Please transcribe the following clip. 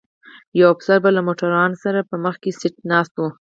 یو افسر به له موټروان سره په مخکي سیټ ناست و.